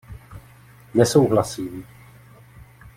Nesouhlasím.